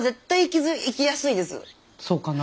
そうかな？